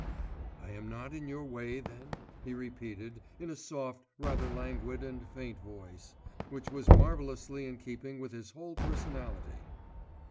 'I am not in your way then?' he repeated in a soft, rather languid and faint voice, which was marvellously in keeping with his whole personality.